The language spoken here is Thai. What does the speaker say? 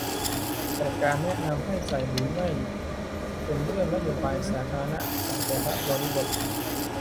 แต่การแนะนำให้ใส่หรือไม่เป็นเรื่องนโยบายสาธารณะของแต่ละบริบท